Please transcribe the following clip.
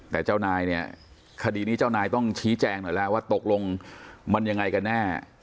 แต่เจ้านายเนี่ยคดีนี้เจ้านายต้องชี้แจงหน่อยแล้วว่าตกลงมันยังไงกันแน่